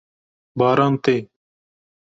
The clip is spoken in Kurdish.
Baran tê.